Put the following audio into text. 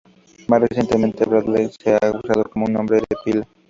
Más recientemente, Bradley se ha usado como un nombre de pila.